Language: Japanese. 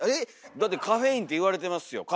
だってカフェインって言われてますよ。